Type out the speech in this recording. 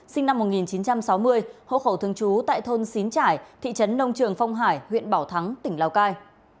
sinh năm một nghìn chín trăm sáu mươi hộ khẩu thường trú tại thôn xín trải thị trấn nông trường phong hải huyện bảo thắng tỉnh lào cai